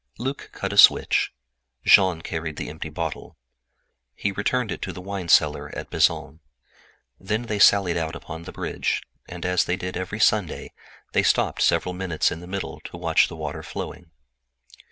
Luc cut a switch. Jean carried the empty bottle to return it to the wine seller at Bezons. Then they sallied out upon the bridge, and, as they did every Sunday, stopped several minutes in the middle to watch the water flowing.